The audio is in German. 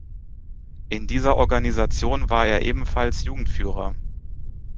In dieser Organisation war er ebenfalls Jugendführer.